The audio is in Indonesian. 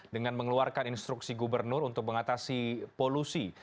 dengan mengeluarkan instruksi gubernur untuk mengatasi polusi